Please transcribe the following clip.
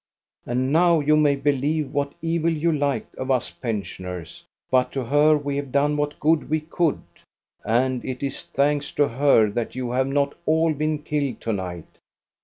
"And now you may believe what evil you like of us pensioners ; but to her we have done what good we could. And it is thanks to her that you have not all been killed to night.